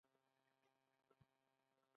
نیکه د خپلو ماشومانو لپاره یوه مثالي څېره ده.